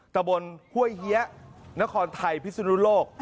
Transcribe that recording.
ตะบนห้วยเฮียนครไทยพิศนุโลก